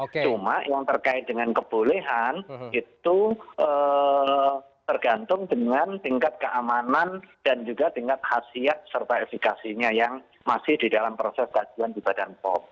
cuma yang terkait dengan kebolehan itu tergantung dengan tingkat keamanan dan juga tingkat khasiat serta efekasinya yang masih di dalam proses kajian di badan pom